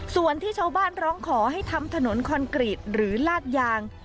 ส่วนที่ชาวบ้านร้องขอให้ทำถนนคอนกรีตหรือลาดยาง